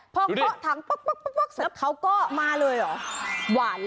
พอเคาะถังเธอก็มาเลยหรอหวานค่ะ